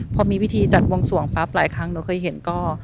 พอมีวิธีจัดวงสวงปั๊บหลายครั้งหนูเคยเห็นก็